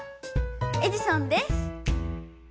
エジソンです。